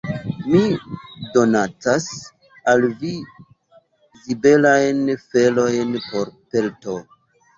Mi donacas al vi zibelajn felojn por pelto!